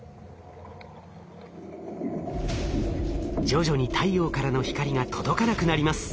徐々に太陽からの光が届かなくなります。